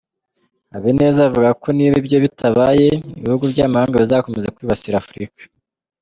Habineza avuga ko niba ibyo bitabaye ibihugu by’amahanga bizakomeza kwibasira Afurika.